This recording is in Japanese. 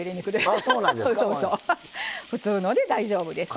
普通ので大丈夫です。